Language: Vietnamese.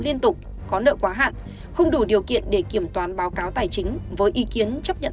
liên tục có nợ quá hạn không đủ điều kiện để kiểm toán báo cáo tài chính với ý kiến chấp nhận